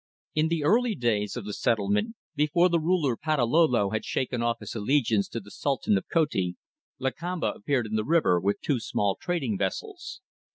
In the early days of the settlement, before the ruler Patalolo had shaken off his allegiance to the Sultan of Koti, Lakamba appeared in the river with two small trading vessels.